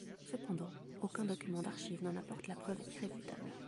Cependant, aucun document d'archive n'en apporte la preuve irréfutable.